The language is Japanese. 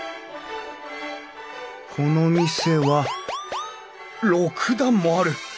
この店は６段もある！